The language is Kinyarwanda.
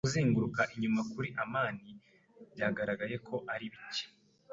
Kugenzura inyuma kuri amani byagaragaye ko ari bike.